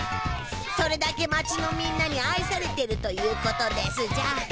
それだけ町のみんなにあいされてるということですじゃ。